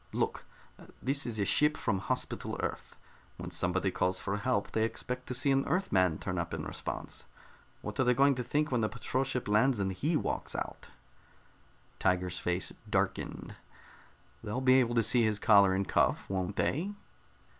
Look, this is a ship from Hospital Earth. When somebody calls for help, they expect to see an Earthman turn up in response. What are they going to think when a patrol ship lands and he walks out?" Tiger's face darkened. "They'll be able to see his collar and cuff, won't they?"